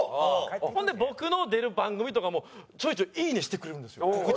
ほんで僕の出る番組とかもちょいちょい「いいね！」してくれるんですよ。